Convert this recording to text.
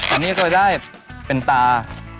อันนี้ก็ได้เป็นตา